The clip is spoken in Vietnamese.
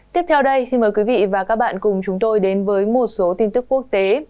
tiếp theo đây xin mời quý vị và các bạn cùng chúng tôi đến với một số tin tức quốc tế